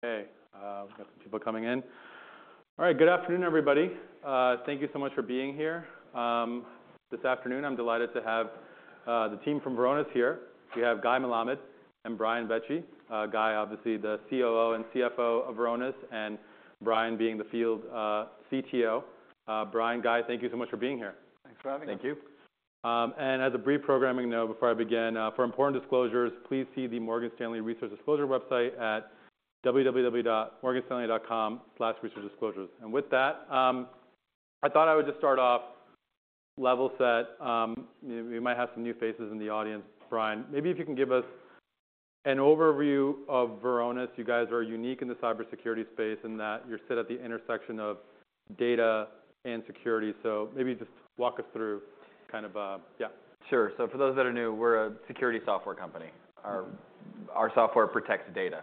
Hey, we've got some people coming in. All right, good afternoon, everybody. Thank you so much for being here. This afternoon I'm delighted to have the team from Varonis here. We have Guy Melamed and Brian Vecci, Guy, obviously, the COO and CFO of Varonis, and Brian being the field CTO. Brian, Guy, thank you so much for being here. Thanks for having me. Thank you. And as a brief programming note before I begin, for important disclosures, please see the Morgan Stanley Research Disclosure website at www.morganstanley.com/researchdisclosures. And with that, I thought I would just start off level set. You know, we might have some new faces in the audience. Brian, maybe if you can give us an overview of Varonis. You guys are unique in the cybersecurity space in that you sit at the intersection of data and security. So maybe just walk us through kind of, yeah. Sure. So, for those that are new, we're a security software company. Our software protects data.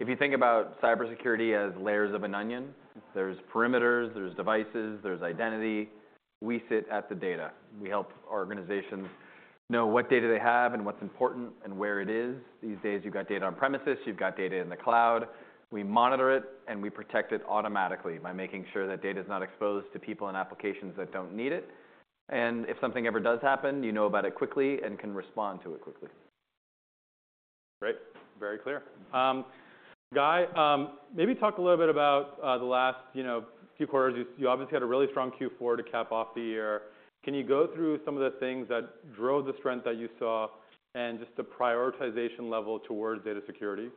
If you think about cybersecurity as layers of an onion, there's perimeters, there's devices, there's identity. We sit at the data. We help organizations know what data they have and what's important and where it is. These days you've got data on premises; you've got data in the cloud. We monitor it and we protect it automatically by making sure that data's not exposed to people and applications that don't need it. And if something ever does happen, you know about it quickly and can respond to it quickly. Great. Very clear. Guy, maybe talk a little bit about the last, you know, Q4. You obviously had a really strong Q4 to cap off the year. Can you go through some of the things that drove the strength that you saw and just the prioritization level towards data security?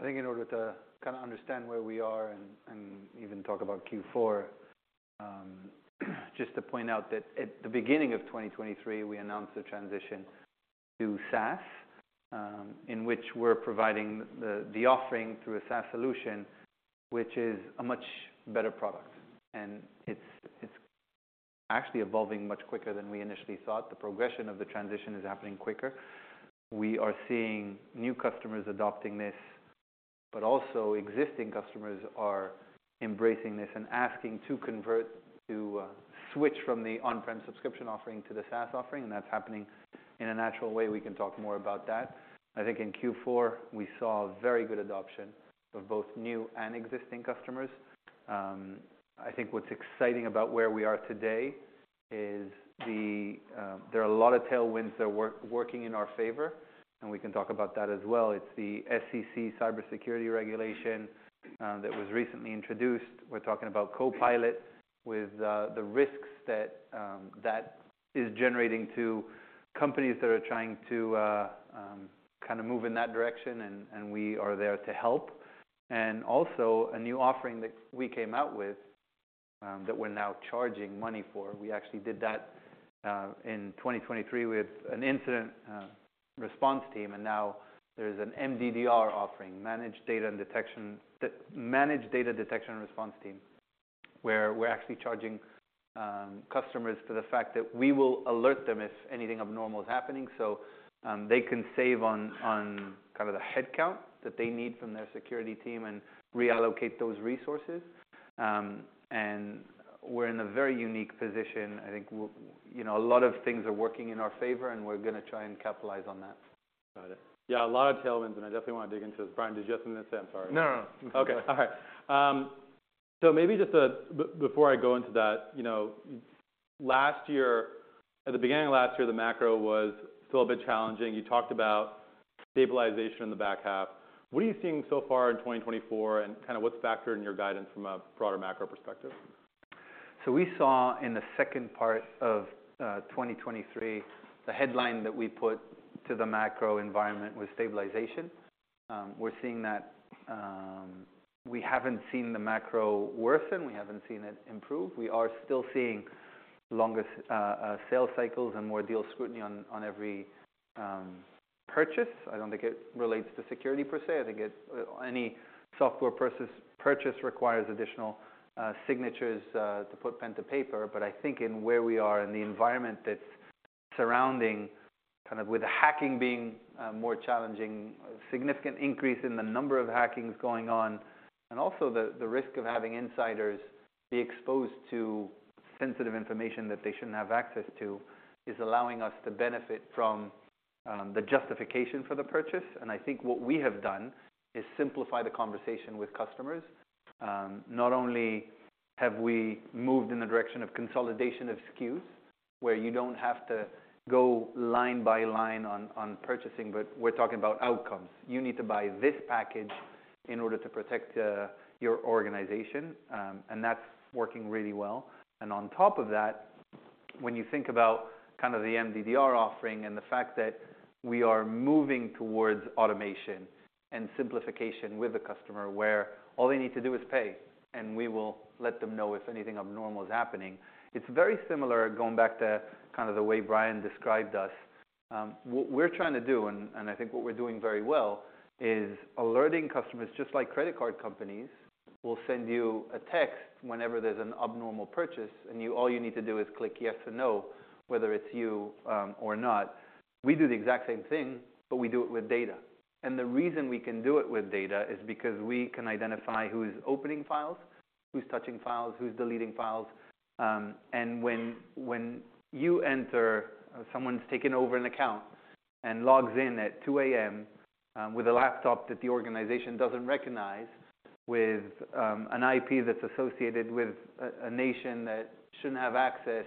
I think in order to kind of understand where we are and even talk about Q4, just to point out that at the beginning of 2023 we announced the transition to SaaS, in which we're providing the offering through a SaaS solution which is a much better product. And it's actually evolving much quicker than we initially thought. The progression of the transition is happening quicker. We are seeing new customers adopting this, but also existing customers are embracing this and asking to convert to switch from the on-prem subscription offering to the SaaS offering. And that's happening in a natural way. We can talk more about that. I think in Q4 we saw very good adoption of both new and existing customers. I think what's exciting about where we are today is there are a lot of tailwinds that are working in our favor. We can talk about that as well. It's the SEC Cybersecurity Regulation that was recently introduced. We're talking about Copilot with the risks that that is generating to companies that are trying to kind of move in that direction. And we are there to help. And also, a new offering that we came out with that we're now charging money for. We actually did that in 2023 with an incident response team. And now there's an MDDR offering, the Managed Data Detection and Response team, where we're actually charging customers for the fact that we will alert them if anything abnormal happening. So, they can save on kind of the headcount that they need from their security team and reallocate those resources. And we're in a very unique position. I think you know, a lot of things are working in our favor and we're gonna try and capitalize on that. Got it. Yeah, a lot of tailwinds. I definitely wanna dig into this. Brian, did you have something to say? I'm sorry. No, no, no. Okay. All right. So maybe just before I go into that, you know, last year at the beginning of last year the macro was still a bit challenging. You talked about stabilization in the back half. What are you seeing so far in 2024 and kind of what's factored in your guidance from a broader macro perspective? So we saw in the second part of 2023 the headline that we put to the macro environment was stabilization. We're seeing that. We haven't seen the macro worsen. We haven't seen it improve. We are still seeing longest sales cycles and more deal scrutiny on every purchase. I don't think it relates to security per se. I think it's any software purchase requires additional signatures to put pen to paper. But I think in where we are in the environment that's surrounding kind of with hacking being more challenging, a significant increase in the number of hackings going on, and also the risk of having insiders be exposed to sensitive information that they shouldn't have access to is allowing us to benefit from the justification for the purchase. And I think what we have done is simplify the conversation with customers. Not only have we moved in the direction of consolidation of SKUs where you don't have to go line by line on, on purchasing, but we're talking about outcomes. You need to buy this package in order to protect your organization. And that's working really well. And on top of that, when you think about kind of the MDDR offering and the fact that we are moving towards automation and simplification with the customer where all they need to do is pay and we will let them know if anything abnormal happening, it's very similar going back to kind of the way Brian described us. We're trying to do, and I think what we're doing very well is alerting customers just like credit card companies will send you a text whenever there's an abnormal purchase and all you need to do is click yes or no whether it's you or not. We do the exact same thing, but we do it with data. And the reason we can do it with data is because we can identify who's opening files, who's touching files, who's deleting files. and when you enter someone's taken over an account and logs in at 2:00 A.M., with a laptop that the organization doesn't recognize with an IP that's associated with a nation that shouldn't have access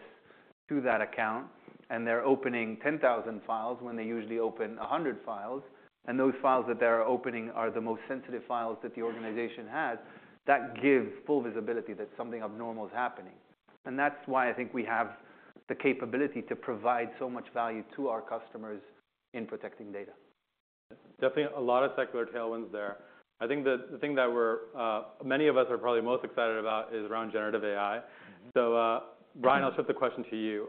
to that account and they're opening 10,000 files when they usually open 100 files, and those files that they're opening are the most sensitive files that the organization has, that gives full visibility that something abnormal happening. And that's why I think we have the capability to provide so much value to our customers in protecting data. Definitely a lot of secular tailwinds there. I think the thing that we're, many of us are probably most excited about is around generative AI. So, Brian, I'll shift the question to you.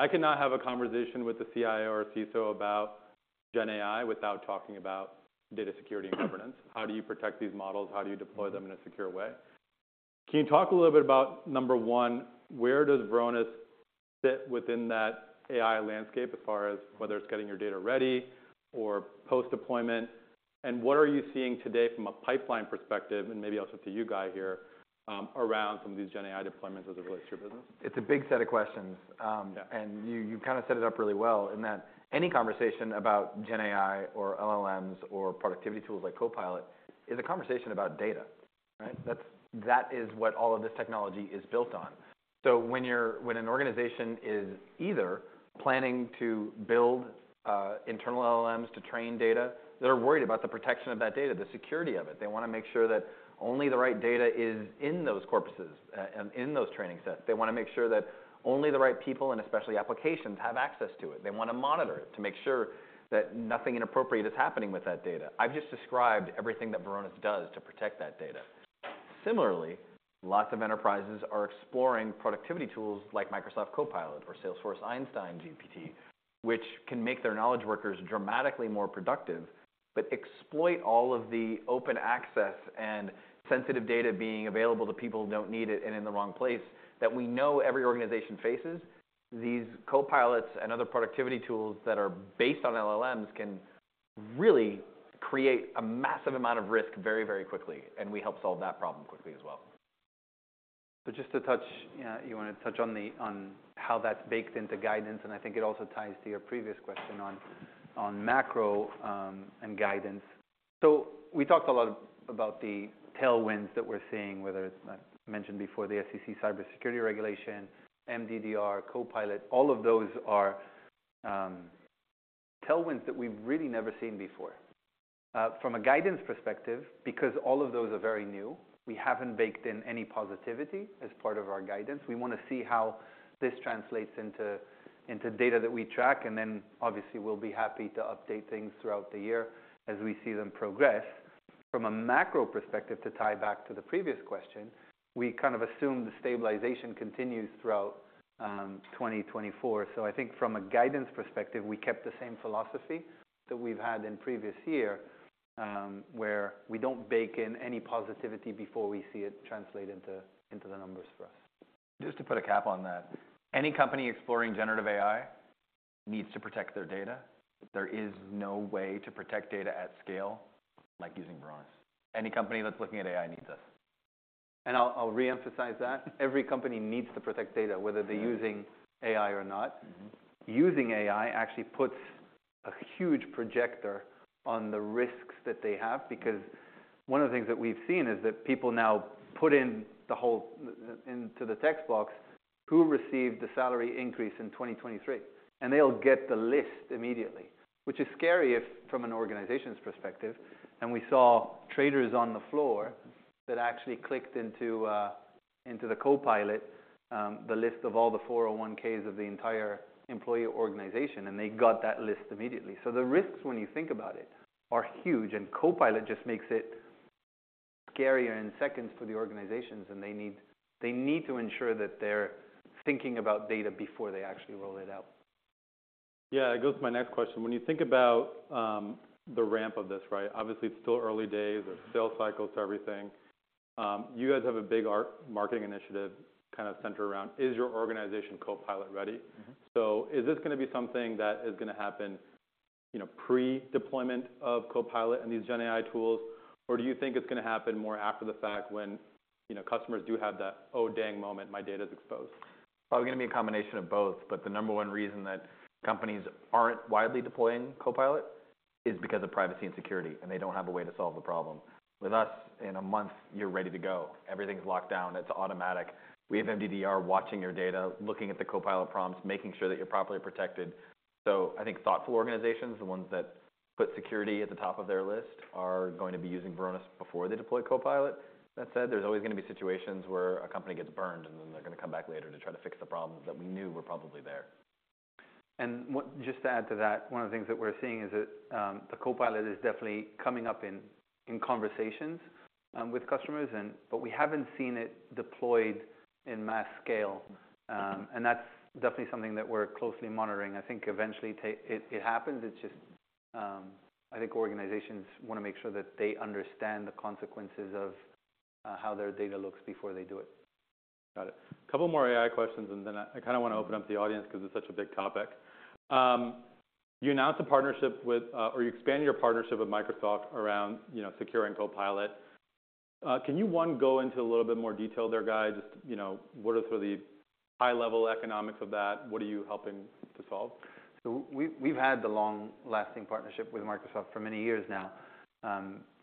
I cannot have a conversation with the CIO or CISO about GenAI without talking about data security and governance. How do you protect these models? How do you deploy them in a secure way? Can you talk a little bit about, number one, where does Varonis sit within that AI landscape as far as whether it's getting your data ready or post-deployment? And what are you seeing today from a pipeline perspective? And maybe I'll shift to you, Guy, here, around some of these GenAI deployments as it relates to your business. It's a big set of questions. Yeah. And you kind of set it up really well in that any conversation about GenAI or LLMs or productivity tools like Copilot is a conversation about data, right? That's what all of this technology is built on. So, when an organization is either planning to build internal LLMs to train data that are worried about the protection of that data, the security of it, they wanna make sure that only the right data is in those corpuses, and in those training sets. They wanna make sure that only the right people and especially applications have access to it. They wanna monitor it to make sure that nothing inappropriate is happening with that data. I've just described everything that Varonis does to protect that data. Similarly, lots of enterprises are exploring productivity tools like Microsoft Copilot or Salesforce Einstein GPT, which can make their knowledge workers dramatically more productive but exploit all of the open access and sensitive data being available to people who don't need it and in the wrong place that we know every organization faces. These Copilots and other productivity tools that are based on LLMs can really create a massive amount of risk very, very quickly. We help solve that problem quickly as well. So just to touch yeah, you wanna touch on how that's baked into guidance. I think it also ties to your previous question on macro and guidance. So, we talked a lot about the tailwinds that we're seeing, whether it's—I mentioned before—the SEC cybersecurity regulation, MDDR, Copilot. All of those are tailwinds that we've really never seen before. From a guidance perspective, because all of those are very new, we haven't baked in any positivity as part of our guidance. We wanna see how this translates into data that we track. And then obviously we'll be happy to update things throughout the year as we see them progress. From a macro perspective to tie back to the previous question, we kind of assume the stabilization continues throughout 2024. I think from a guidance perspective, we kept the same philosophy that we've had in previous year, where we don't bake in any positivity before we see it translate into the numbers for us. Just to put a cap on that, any company exploring generative AI needs to protect their data. There is no way to protect data at scale like using Varonis. Any company that's looking at AI needs us. I'll reemphasize that. Every company needs to protect data whether they're using AI or not. Mm-hmm. Using AI actually puts a huge spotlight on the risks that they have because one of the things that we've seen is that people now put in the whole thing into the text box who received the salary increase in 2023. They'll get the list immediately, which is scary from an organization's perspective. We saw traders on the floor that actually clicked into the Copilot, the list of all the 401(k)s of the entire employee organization. They got that list immediately. So, the risks when you think about it are huge. Copilot just makes it scarier in seconds for the organizations. They need to ensure that they're thinking about data before they actually roll it out. Yeah. It goes to my next question. When you think about the ramp of this, right, obviously it's still early days. There's sales cycles to everything. You guys have a big ad marketing initiative kind of centered around Is your organization Copilot ready? Mm-hmm. So is this gonna be something that is gonna happen, you know, pre-deployment of Copilot and these GenAI tools? Or do you think it's gonna happen more after the fact when, you know, customers do have that, "Oh, dang, moment. My data's exposed"? Probably gonna be a combination of both. But the number one reason that companies aren't widely deploying Copilot is because of privacy and security. They don't have a way to solve the problem. With us, in a month you're ready to go. Everything's locked down. It's automatic. We have MDDR watching your data, looking at the Copilot prompts, making sure that you're properly protected. So I think thoughtful organizations, the ones that put security at the top of their list, are going to be using Varonis before they deploy Copilot. That said, there's always gonna be situations where a company gets burned and then they're gonna come back later to try to fix the problems that we knew were probably there. What just to add to that, one of the things that we're seeing is that the Copilot is definitely coming up in, in conversations with customers. But we haven't seen it deployed in mass scale, and that's definitely something that we're closely monitoring. I think eventually that it, it happens. It's just, I think organizations wanna make sure that they understand the consequences of how their data looks before they do it. Got it. Couple more AI questions. And then I kind of wanna open up the audience 'cause it's such a big topic. You announced a partnership with, or you expanded your partnership with Microsoft around, you know, security and Copilot. Can you, one, go into a little bit more detail there, Guy, just, you know, what are sort of the high-level economics of that? What are you helping to solve? So, we've had the long-lasting partnership with Microsoft for many years now.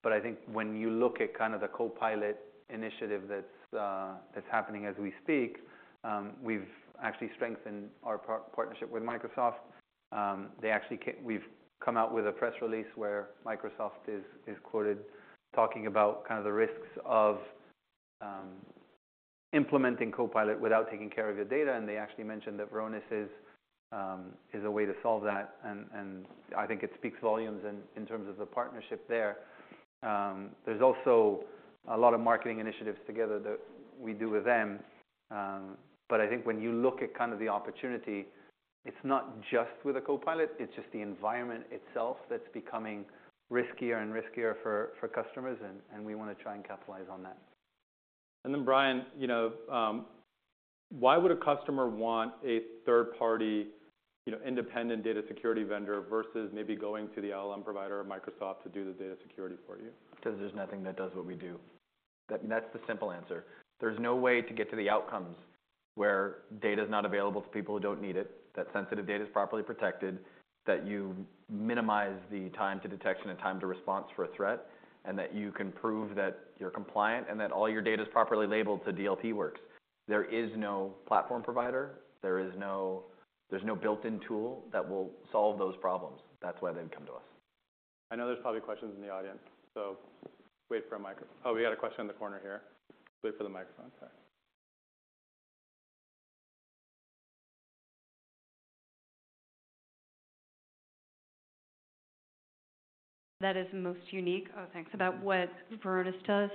But I think when you look at kind of the Copilot initiative that's happening as we speak; we've actually strengthened our partnership with Microsoft. They are actually we've come out with a press release where Microsoft is quoted talking about kind of the risks of implementing Copilot without taking care of your data. And they actually mentioned that Varonis is a way to solve that. And I think it speaks volumes in terms of the partnership there. There's also a lot of marketing initiatives together that we do with them. But I think when you look at kind of the opportunity, it's not just with a Copilot. It's just the environment itself that's becoming riskier and riskier for customers. And we wanna try and capitalize on that. And then, Brian, you know, why would a customer want a third-party, you know, independent data security vendor versus maybe going to the LLM provider of Microsoft to do the data security for you? 'Cause there's nothing that does what we do. That, I mean, that's the simple answer. There's no way to get to the outcomes where data's not available to people who don't need it, that sensitive data's properly protected, that you minimize the time to detection and time to response for a threat, and that you can prove that you're compliant and that all your data's properly labeled to DLP works. There is no platform provider. There is no built-in tool that will solve those problems. That's why they'd come to us. I know there's probably questions in the audience. So wait for a mic. Oh, we got a question in the corner here. Wait for the microphone. Sorry. That is most unique. Oh, thanks about what Varonis does.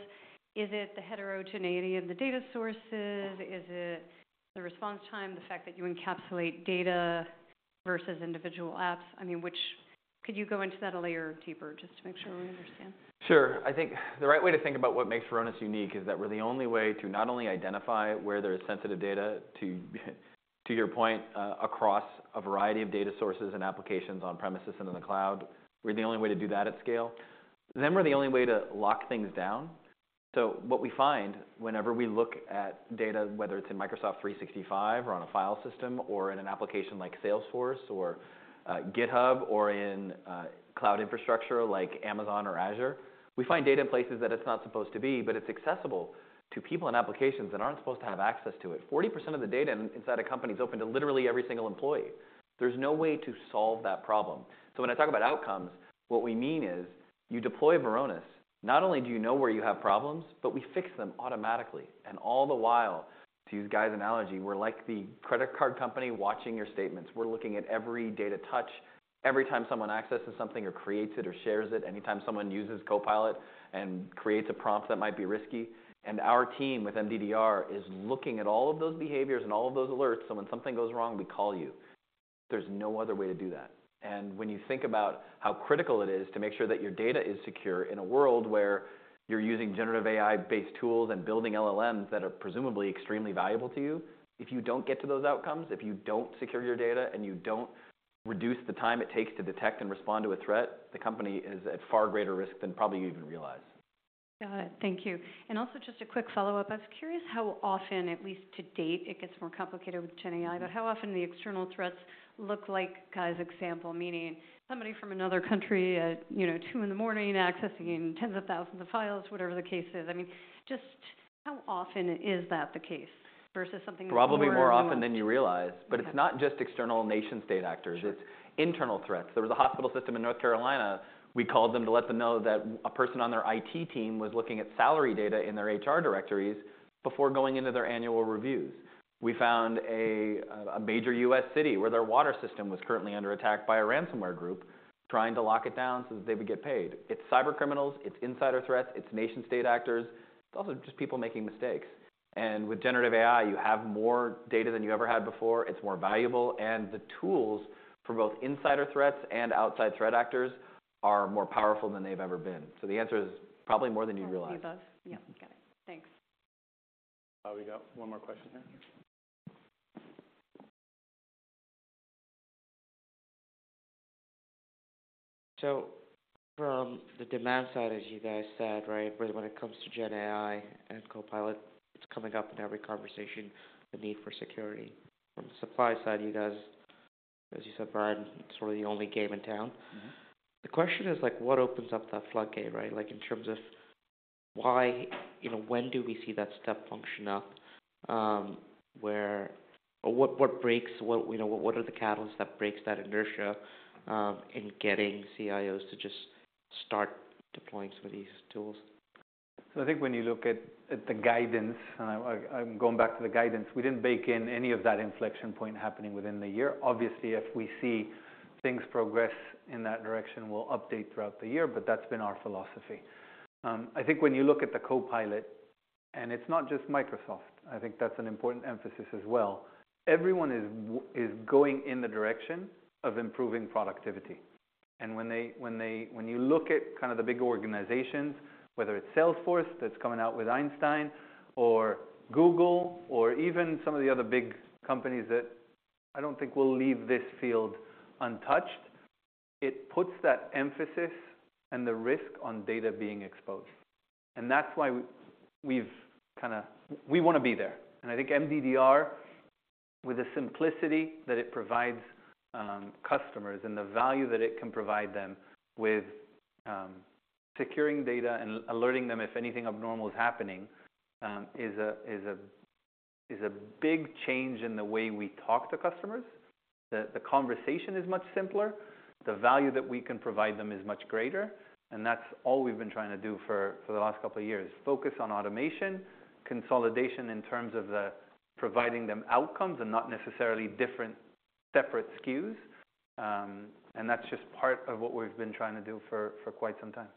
Is it the heterogeneity of the data sources? Is it the response time, the fact that you encapsulate data versus individual apps? I mean, which could you go into that a layer deeper just to make sure we understand? Sure. I think the right way to think about what makes Varonis unique is that we're the only way to not only identify where there is sensitive data to, to your point, across a variety of data sources and applications on-premises and in the cloud. We're the only way to do that at scale. Then we're the only way to lock things down. So what we find whenever we look at data, whether it's in Microsoft 365 or on a file system or in an application like Salesforce or GitHub or in cloud infrastructure like Amazon or Azure, we find data in places that it's not supposed to be, but it's accessible to people and applications that aren't supposed to have access to it. 40% of the data inside a company is open to literally every single employee. There's no way to solve that problem. So when I talk about outcomes, what we mean is you deploy Varonis. Not only do you know where you have problems, but we fix them automatically. And all the while, to use Guy's analogy, we're like the credit card company watching your statements. We're looking at every data touch, every time someone accesses something or creates it or shares it, anytime someone uses Copilot and creates a prompt that might be risky. And our team with MDDR is looking at all of those behaviors and all of those alerts. So when something goes wrong, we call you. There's no other way to do that. When you think about how critical it is to make sure that your data is secure in a world where you're using generative AI-based tools and building LLMs that are presumably extremely valuable to you, if you don't get to those outcomes, if you don't secure your data, and you don't reduce the time it takes to detect and respond to a threat, the company is at far greater risk than probably you even realize. Got it. Thank you. And also, just a quick follow-up. I was curious how often, at least to date, it gets more complicated with GenAI. But how often do the external threats look like, Guy's example, meaning somebody from another country, you know, 2:00 A.M. accessing tens of thousands of files, whatever the case is? I mean, just how often is that the case versus something that's more? Probably more often than you realize. But it's not just external nation-state actors. It's internal threats. There was a hospital system in North Carolina. We called them to let them know that a person on their IT team was looking at salary data in their HR directories before going into their annual reviews. We found a major U.S. city where their water system was currently under attack by a ransomware group trying to lock it down so that they would get paid. It's cybercriminals. It's insider threats. It's nation-state actors. It's also just people making mistakes. And with generative AI, you have more data than you ever had before. It's more valuable. And the tools for both insider threats and outside threat actors are more powerful than they've ever been. So, the answer is probably more than you realize. Thank you both. Yep. Got it. Thanks. Oh, we got one more question here. Thank you. So, from the demand side, as you guys said, right, where when it comes to GenAI and Copilot, it's coming up in every conversation, the need for security. From the supply side, you guys as you said, Brian, it's sort of the only game in town. Mm-hmm. The question is, like, what opens up that floodgate, right, like, in terms of why, you know, when do we see that step function up, where or what, what breaks what, you know, what, what are the catalysts that breaks that inertia, in getting CIOs to just start deploying some of these tools? So, I think when you look at the guidance and I'm going back to the guidance. We didn't bake in any of that inflection point happening within the year. Obviously, if we see things progress in that direction, we'll update throughout the year. But that's been our philosophy. I think when you look at the Copilot and it's not just Microsoft. I think that's an important emphasis as well. Everyone is going in the direction of improving productivity. And when you look at kind of the big organizations, whether it's Salesforce that's coming out with Einstein or Google or even some of the other big companies that I don't think will leave this field untouched, it puts that emphasis and the risk on data being exposed. And that's why we've kind of we wanna be there. I think MDDR, with the simplicity that it provides, customers and the value that it can provide them with, securing data and alerting them if anything abnormal happening, is a big change in the way we talk to customers. The conversation is much simpler. The value that we can provide them is much greater. And that's all we've been trying to do for the last couple of years, focus on automation, consolidation in terms of the providing them outcomes and not necessarily different, separate SKUs. And that's just part of what we've been trying to do for quite some time.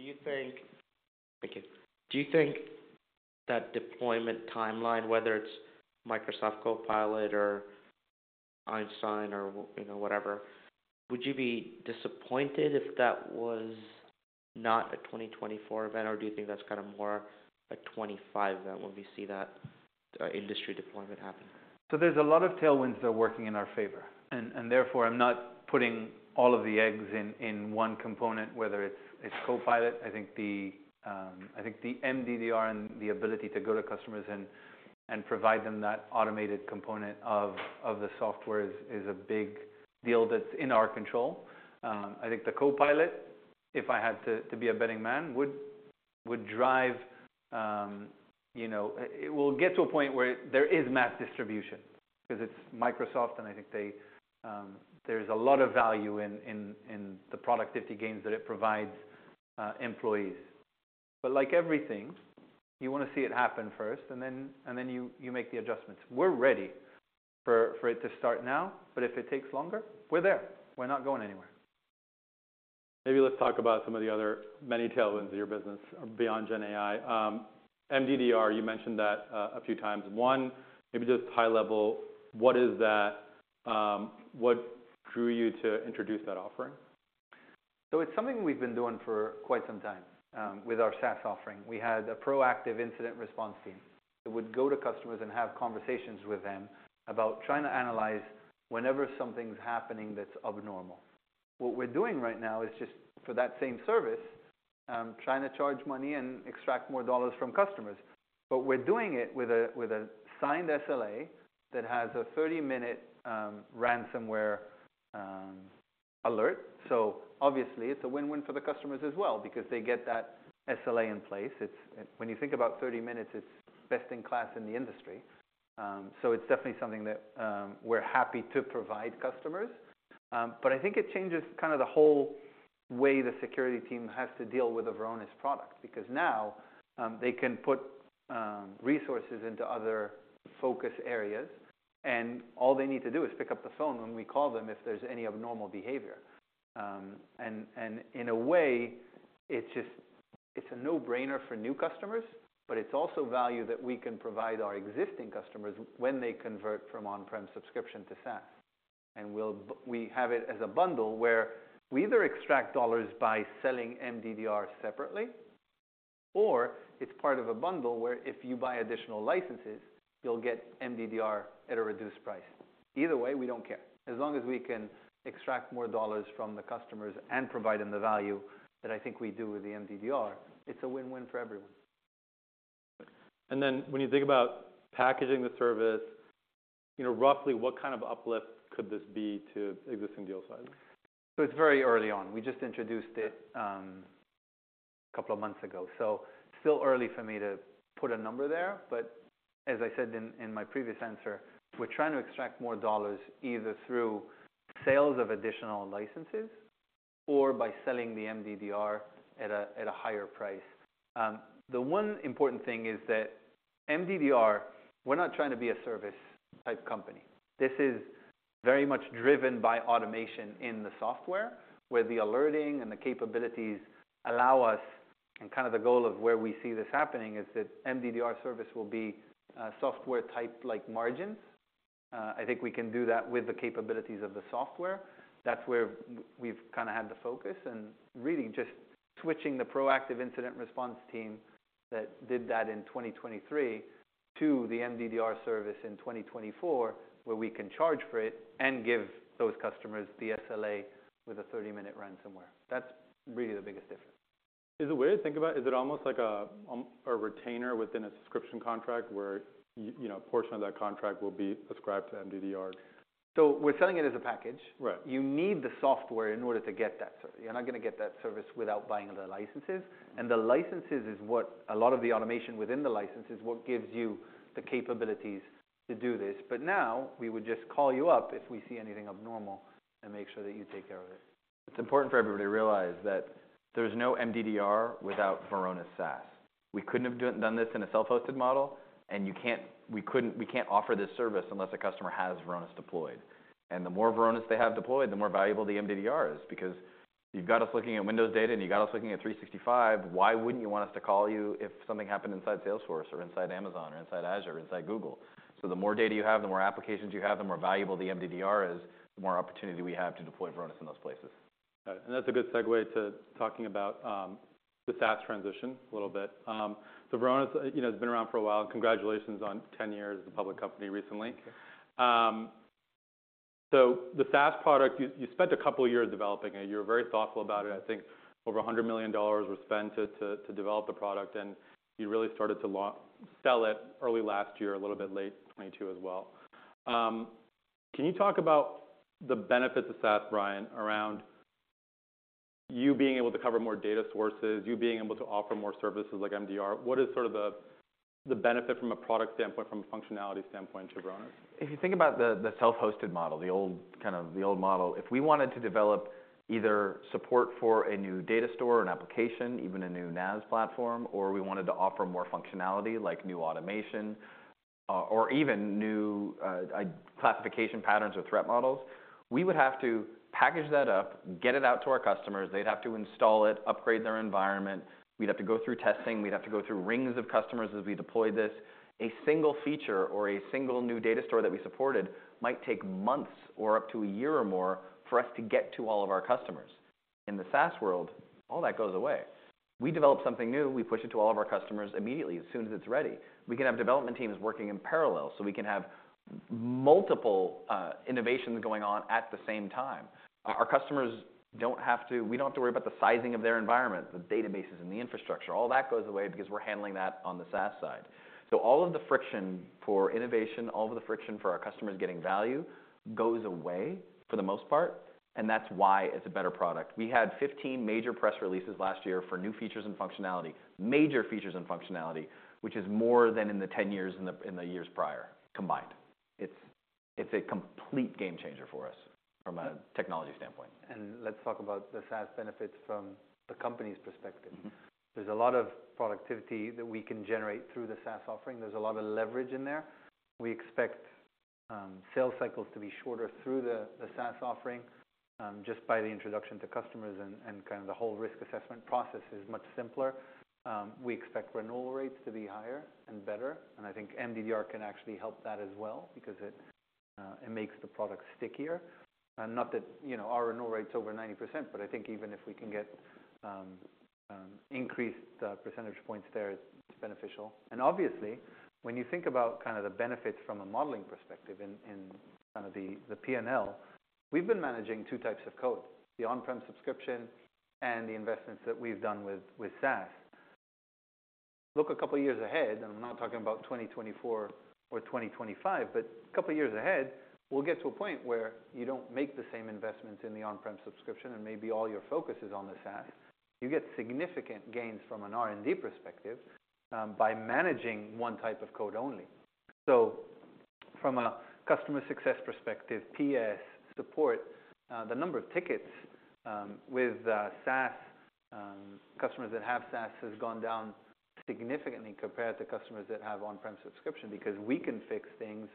Do you think thank you. Do you think that deployment timeline, whether it's Microsoft Copilot or Einstein or, you know, whatever, would you be disappointed if that was not a 2024 event? Or do you think that's kind of more a 2025 event when we see that industry deployment happen? So, there's a lot of tailwinds that are working in our favor. And therefore, I'm not putting all of the eggs in one component, whether it's Copilot. I think the MDDR and the ability to go to customers and provide them that automated component of the software is a big deal that's in our control. I think the Copilot, if I had to be a betting man, would drive, you know, it will get to a point where there is mass distribution 'cause its Microsoft. And I think there's a lot of value in the productivity gains that it provides employees. But like everything, you wanna see it happen first. And then you make the adjustments. We're ready for it to start now. But if it takes longer, we're there. We're not going anywhere. Maybe let's talk about some of the other many tailwinds of your business, beyond GenAI. MDDR, you mentioned that a few times. One, maybe just high-level, what is that? What drew you to introduce that offering? So it's something we've been doing for quite some time, with our SaaS offering. We had a proactive incident response team that would go to customers and have conversations with them about trying to analyze whenever something's happening that's abnormal. What we're doing right now is just, for that same service, trying to charge money and extract more dollars from customers. But we're doing it with a signed SLA that has a 30-minute ransomware alert. So obviously, it's a win-win for the customers as well because they get that SLA in place. It's when you think about 30 minutes, it's best in class in the industry. So, it's definitely something that, we're happy to provide customers. But I think it changes kind of the whole way the security team has to deal with a Varonis product because now, they can put, resources into other focus areas. And all they need to do is pick up the phone when we call them if there's any abnormal behavior. And in a way, it's just a no-brainer for new customers. But it's also value that we can provide our existing customers when they convert from on-prem subscription to SaaS. And we have it as a bundle where we either extract dollars by selling MDDR separately or it's part of a bundle where if you buy additional licenses, you'll get MDDR at a reduced price. Either way, we don't care. As long as we can extract more dollars from the customers and provide them the value that I think we do with the MDDR, it's a win-win for everyone. And then when you think about packaging the service, you know, roughly, what kind of uplift could this be to existing deal sizes? So, it's very early on. We just introduced it a couple of months ago. Still early for me to put a number there. But as I said in my previous answer, we're trying to extract more dollars either through sales of additional licenses or by selling the MDDR at a higher price. The one important thing is that MDDR, we're not trying to be a service-type company. This is very much driven by automation in the software where the alerting and the capabilities allow us and kind of the goal of where we see this happening is that MDDR service will be software-type like margins. I think we can do that with the capabilities of the software. That's where we've kind of had the focus. And really, just switching the proactive incident response team that did that in 2023 to the MDDR service in 2024 where we can charge for it and give those customers the SLA with a 30-minute ransomware. That's really the biggest difference. Is it weird to think about? Is it almost like a retainer within a subscription contract where you know, a portion of that contract will be ascribed to MDDR? We're selling it as a package. Right. You need the software in order to get that service. You're not gonna get that service without buying all the licenses. And the licenses is what a lot of the automation within the license is what gives you the capabilities to do this. But now, we would just call you up if we see anything abnormal and make sure that you take care of it. It's important for everybody to realize that there's no MDDR without Varonis SaaS. We couldn't have done this in a self-hosted model. And you we can't offer this service unless a customer has Varonis deployed. And the more Varonis they have deployed, the more valuable the MDDR is because you've got us looking at Windows data, and you've got us looking at 365. Why wouldn't you want us to call you if something happened inside Salesforce or inside Amazon or inside Azure or inside Google? So, the more data you have, the more applications you have, the more valuable the MDDR is, the more opportunity we have to deploy Varonis in those places. Got it. That's a good segue to talking about the SaaS transition a little bit. Varonis, you know, has been around for a while. Congratulations on 10 years as a public company recently. So, the SaaS product, you spent a couple of years developing it. You were very thoughtful about it. I think over $100 million were spent to develop the product. And you really started to launch and sell it early last year, a little bit late 2022 as well. Can you talk about the benefits of SaaS, Brian, around you being able to cover more data sources, you being able to offer more services like MDR? What is sort of the benefit from a product standpoint, from a functionality standpoint to Varonis? If you think about the self-hosted model, the old kind of old model, if we wanted to develop either support for a new data store, an application, even a new NAS platform, or we wanted to offer more functionality like new automation, or even new AI classification patterns or threat models, we would have to package that up, get it out to our customers. They'd have to install it, upgrade their environment. We'd have to go through testing. We'd have to go through rings of customers as we deployed this. A single feature or a single new data store that we supported might take months or up to a year or more for us to get to all of our customers. In the SaaS world, all that goes away. We develop something new. We push it to all of our customers immediately as soon as it's ready. We can have development teams working in parallel so we can have multiple innovations going on at the same time. Our customers don't have to. We don't have to worry about the sizing of their environment, the databases, and the infrastructure. All that goes away because we're handling that on the SaaS side. So, all of the friction for innovation, all of the friction for our customers getting value goes away for the most part. And that's why it's a better product. We had 15 major press releases last year for new features and functionality, major features and functionality, which is more than in the 10 years in the years prior combined. It's a complete game changer for us from a technology standpoint. Let's talk about the SaaS benefits from the company's perspective. Mm-hmm. There's a lot of productivity that we can generate through the SaaS offering. There's a lot of leverage in there. We expect sales cycles to be shorter through the SaaS offering, just by the introduction to customers. And kind of the whole risk assessment process is much simpler. We expect renewal rates to be higher and better. And I think MDDR can actually help that as well because it makes the product stickier. Not that, you know, our renewal rates over 90%. But I think even if we can get increased percentage points there, it's beneficial. And obviously, when you think about kind of the benefits from a modeling perspective in the P&L, we've been managing two types of code, the on-prem subscription and the investments that we've done with SaaS. Look a couple of years ahead. I'm not talking about 2024 or 2025. A couple of years ahead, we'll get to a point where you don't make the same investments in the on-prem subscription. Maybe all your focus is on the SaaS. You get significant gains from an R&D perspective, by managing one type of code only. From a customer success perspective, PS support, the number of tickets with SaaS customers that have SaaS has gone down significantly compared to customers that have on-prem subscription because we can fix things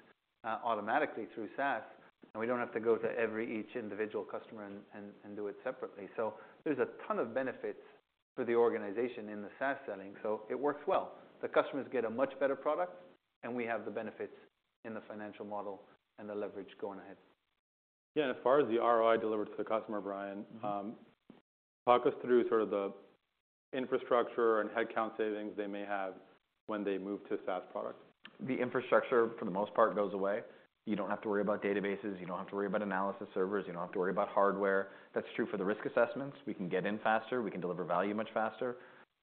automatically through SaaS. We don't have to go to every individual customer and do it separately. There's a ton of benefits for the organization in the SaaS selling. It works well. The customers get a much better product. We have the benefits in the financial model and the leverage going ahead. Yeah. As far as the ROI delivered to the customer, Brian, talk us through sort of the infrastructure and headcount savings they may have when they move to a SaaS product. The infrastructure, for the most part, goes away. You don't have to worry about databases. You don't have to worry about analysis servers. You don't have to worry about hardware. That's true for the risk assessments. We can get in faster. We can deliver value much faster.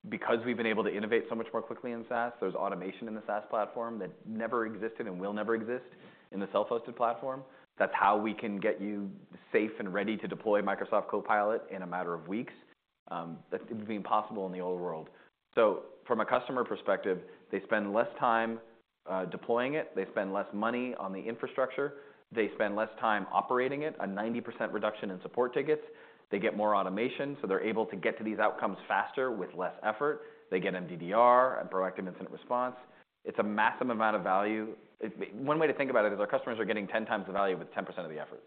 Because we've been able to innovate so much more quickly in SaaS, there's automation in the SaaS platform that never existed and will never exist in the self-hosted platform. That's how we can get you safe and ready to deploy Microsoft Copilot in a matter of weeks. That it would be impossible in the old world. So, from a customer perspective, they spend less time deploying it. They spend less money on the infrastructure. They spend less time operating it, a 90% reduction in support tickets. They get more automation. So, they're able to get to these outcomes faster with less effort. They get MDDR and proactive incident response. It's a massive amount of value. One way to think about it is our customers are getting 10 times the value with 10% of the effort.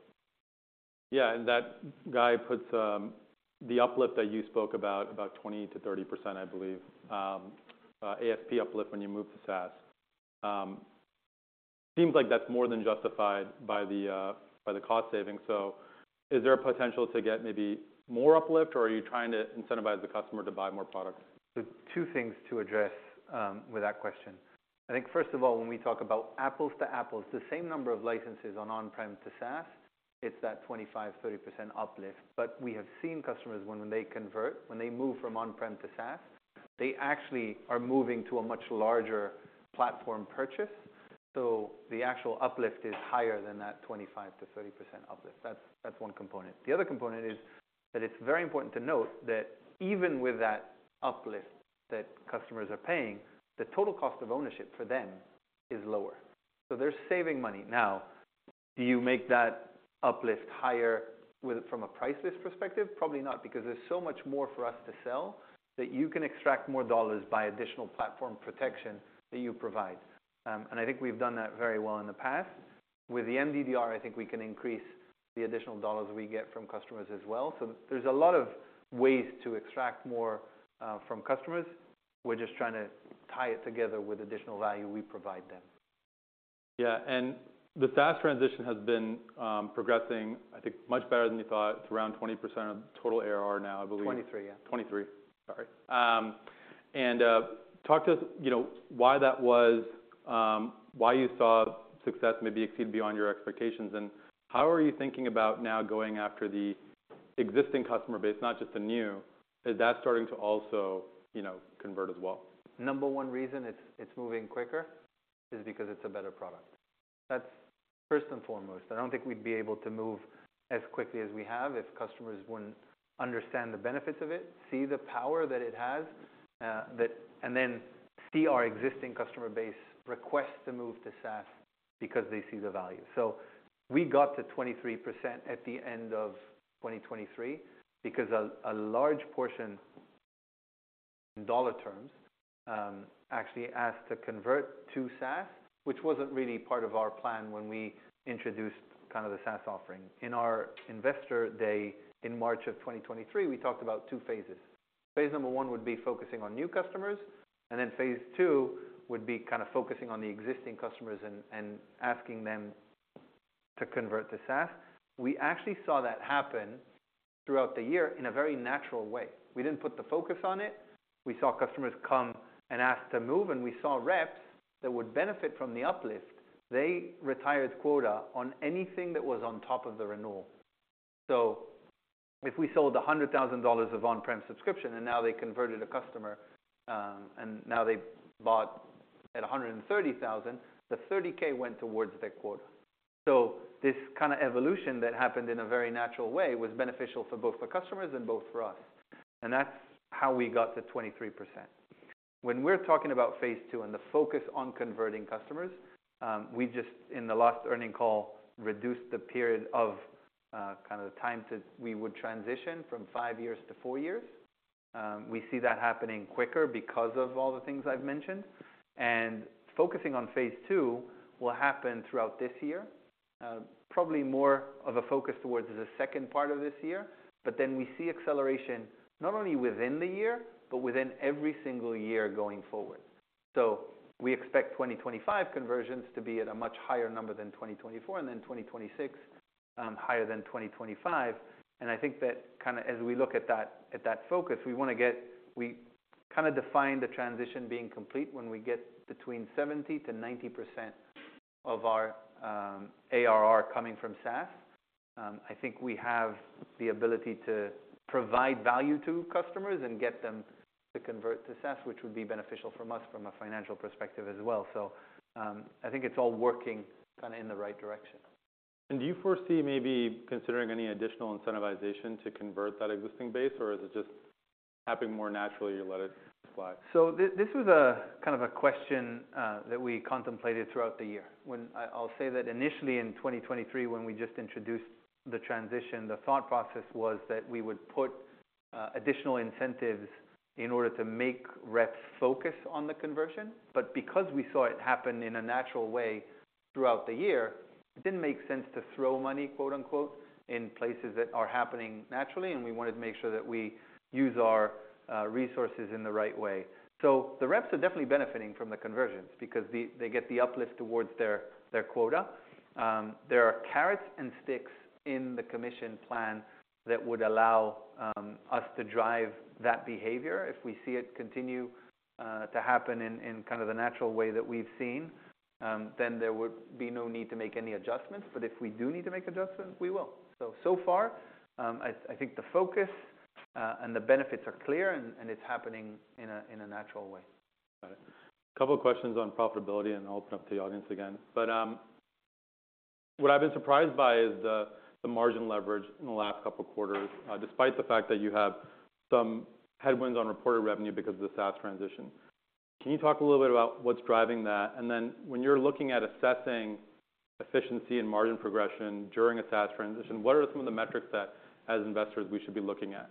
Yeah. And that guy puts, the uplift that you spoke about, about 20%-30%, I believe, ASP uplift when you move to SaaS, seems like that's more than justified by the, by the cost savings. So, is there a potential to get maybe more uplift? Or are you trying to incentivize the customer to buy more products? There's two things to address, with that question. I think, first of all, when we talk about apples to apples, the same number of licenses on-prem to SaaS, it's that 25%-30% uplift. But we have seen customers when they convert, when they move from on-prem to SaaS, they actually are moving to a much larger platform purchase. So, the actual uplift is higher than that 25%-30% uplift. That's one component. The other component is that it's very important to note that even with that uplift that customers are paying, the total cost of ownership for them is lower. So, they're saving money. Now, do you make that uplift higher with from a price list perspective? Probably not because there's so much more for us to sell that you can extract more dollars by additional platform protection that you provide. I think we've done that very well in the past. With the MDDR, I think we can increase the additional dollars we get from customers as well. There's a lot of ways to extract more from customers. We're just trying to tie it together with additional value we provide them. Yeah. And the SaaS transition has been progressing, I think, much better than you thought. It's around 20% of total ARR now, I believe. 23, yeah. Talk to us, you know, why that was, why you saw success maybe exceed beyond your expectations. And how are you thinking about now going after the existing customer base, not just the new? Is that starting to also, you know, convert as well? Number one reason it's moving quicker is because it's a better product. That's first and foremost. I don't think we'd be able to move as quickly as we have if customers wouldn't understand the benefits of it, see the power that it has, that and then see our existing customer base request to move to SaaS because they see the value. So, we got to 23% at the end of 2023 because a large portion in dollar terms actually asked to convert to SaaS, which wasn't really part of our plan when we introduced kind of the SaaS offering. In our investor day in March of 2023, we talked about two phases. Phase number one would be focusing on new customers. Then phase two would be kind of focusing on the existing customers and asking them to convert to SaaS. We actually saw that happen throughout the year in a very natural way. We didn't put the focus on it. We saw customers come and ask to move. We saw reps that would benefit from the uplift, they retired quota on anything that was on top of the renewal. So, if we sold $100,000 of on-prem subscription and now they converted a customer, and now they bought at $130,000, the $30,000 went towards their quota. So, this kind of evolution that happened in a very natural way was beneficial for both the customers and both for us. That's how we got to 23%. When we're talking about phase two and the focus on converting customers, we just in the last earnings call reduced the period of, kind of the time to we would transition from five years to four years. We see that happening quicker because of all the things I've mentioned. Focusing on phase two will happen throughout this year, probably more of a focus towards the second part of this year. But then we see acceleration not only within the year but within every single year going forward. So, we expect 2025 conversions to be at a much higher number than 2024 and then 2026, higher than 2025. And I think that kind of as we look at that, at that focus, we wanna get we kind of define the transition being complete when we get between 70%-90% of our ARR coming from SaaS. I think we have the ability to provide value to customers and get them to convert to SaaS, which would be beneficial for us from a financial perspective as well. So, I think it's all working kind of in the right direction. Do you foresee maybe considering any additional incentivization to convert that existing base? Or is it just happening more naturally? You let it fly? So, this was a kind of a question, that we contemplated throughout the year. When I'll say that initially in 2023, when we just introduced the transition, the thought process was that we would put additional incentives in order to make reps focus on the conversion. But because we saw it happen in a natural way throughout the year, it didn't make sense to throw money, quote-unquote, in places that are happening naturally. And we wanted to make sure that we use our resources in the right way. So, the reps are definitely benefiting from the conversions because they get the uplift towards their quota. There are carrots and sticks in the commission plan that would allow us to drive that behavior. If we see it continue to happen in kind of the natural way that we've seen, then there would be no need to make any adjustments. But if we do need to make adjustments, we will. So far, I think the focus and the benefits are clear. And it's happening in a natural way. Got it. Couple of questions on profitability. I'll open up to the audience again. But what I've been surprised by is the margin leverage in the last couple of quarters, despite the fact that you have some headwinds on reported revenue because of the SaaS transition. Can you talk a little bit about what's driving that? And then when you're looking at assessing efficiency and margin progression during a SaaS transition, what are some of the metrics that, as investors, we should be looking at?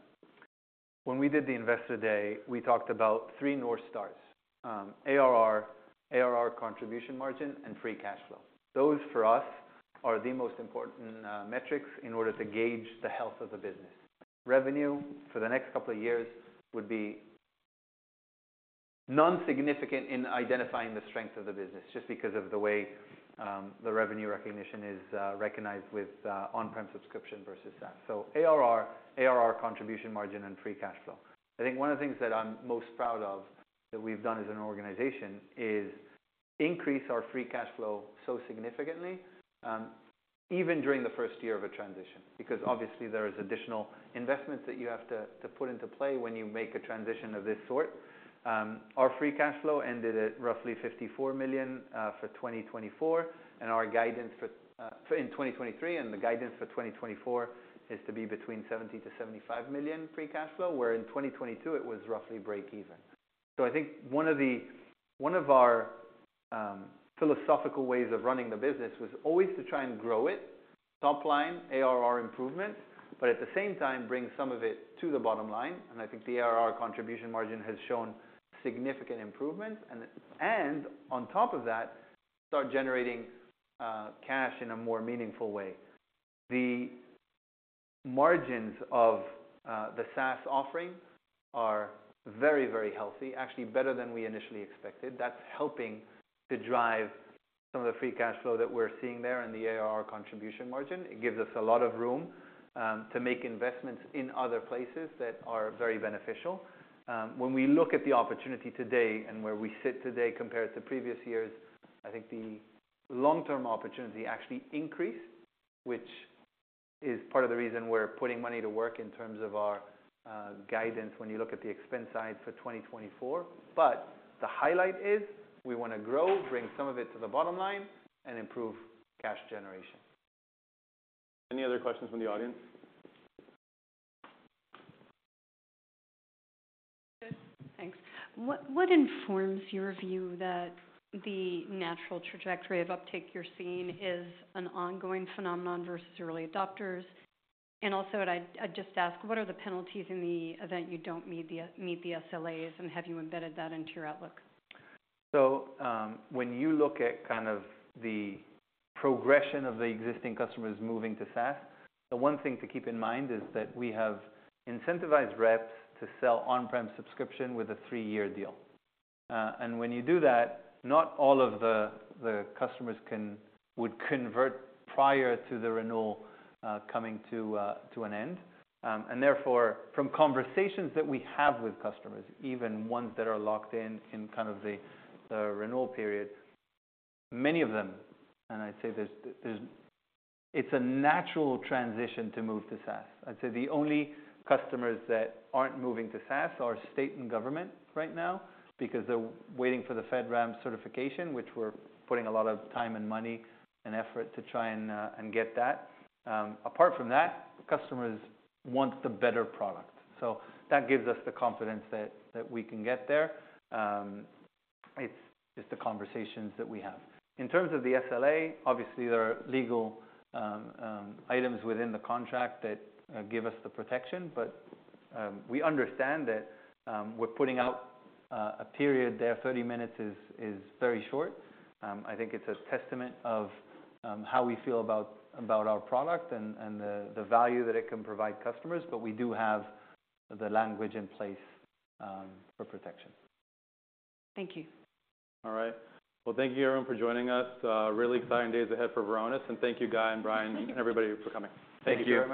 When we did the investor day, we talked about 3 North Stars, ARR, ARR contribution margin, and free cash flow. Those, for us, are the most important metrics in order to gauge the health of the business. Revenue for the next couple of years would be nonsignificant in identifying the strength of the business just because of the way the revenue recognition is recognized with on-prem subscription versus SaaS. So ARR, ARR contribution margin, and free cash flow. I think one of the things that I'm most proud of that we've done as an organization is increase our free cash flow so significantly, even during the first year of a transition because, obviously, there is additional investments that you have to to put into play when you make a transition of this sort. Our free cash flow ended at roughly $54 million for 2024. And our guidance for in 2023 and the guidance for 2024 is to be between $70 million-$75 million free cash flow, where in 2022, it was roughly break-even. So I think one of our philosophical ways of running the business was always to try and grow it, top line, ARR improvement, but at the same time, bring some of it to the bottom line. And I think the ARR contribution margin has shown significant improvements. And on top of that, start generating cash in a more meaningful way. The margins of the SaaS offering are very, very healthy, actually better than we initially expected. That's helping to drive some of the free cash flow that we're seeing there and the ARR contribution margin. It gives us a lot of room to make investments in other places that are very beneficial. When we look at the opportunity today and where we sit today compared to previous years, I think the long-term opportunity actually increased, which is part of the reason we're putting money to work in terms of our guidance when you look at the expense side for 2024. But the highlight is we wanna grow, bring some of it to the bottom line, and improve cash generation. Any other questions from the audience? Good. Thanks. What informs your view that the natural trajectory of uptake you're seeing is an ongoing phenomenon versus early adopters? And also, I'd just ask, what are the penalties in the event you don't meet the SLAs? And have you embedded that into your outlook? So, when you look at kind of the progression of the existing customers moving to SaaS, the one thing to keep in mind is that we have incentivized reps to sell on-prem subscription with a 3-year deal. And when you do that, not all of the customers would convert prior to the renewal coming to an end. And therefore, from conversations that we have with customers, even ones that are locked in in kind of the renewal period, many of them and I'd say it's a natural transition to move to SaaS. I'd say the only customers that aren't moving to SaaS are state and government right now because they're waiting for the FedRAMP certification, which we're putting a lot of time and money and effort to try and get that. Apart from that, customers want the better product. So that gives us the confidence that we can get there. It's just the conversations that we have. In terms of the SLA, obviously, there are legal items within the contract that give us the protection. But we understand that we're putting out a period there. 30 minutes is very short. I think it's a testament of how we feel about our product and the value that it can provide customers. But we do have the language in place for protection. Thank you. All right. Well, thank you, Arun, for joining us. Really exciting days ahead for Varonis. Thank you, Guy and Brian and everybody for coming. Thank you.